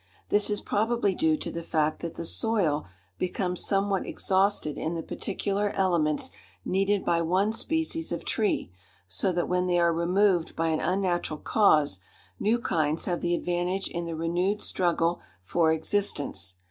This is probably due to the fact that the soil becomes somewhat exhausted in the particular elements needed by one species of tree, so that when they are removed by an unnatural cause, new kinds have the advantage in the renewed struggle for existence.